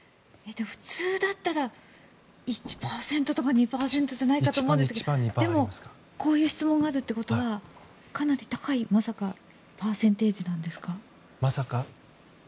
普通だったら１％とか２％だと思うんですけどでもこういう質問があるということはまさか、かなり高いパーセンテージなんですか？